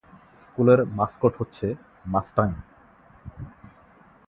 স্কুলের মাসকট হচ্ছে মাসটাং।